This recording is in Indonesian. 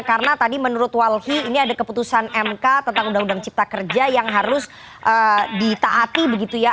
karena tadi menurut walhi ini ada keputusan mk tentang undang undang cipta kerja yang harus ditaati begitu ya